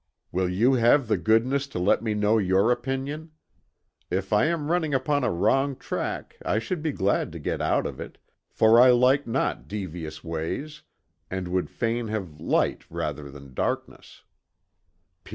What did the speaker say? "Will you have the goodness to let me know your opinion? If I am running upon a wrong track I should be glad to get out of it, for I like not devious ways, and would fain have light rather than darkness.